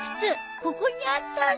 ここにあったんだ。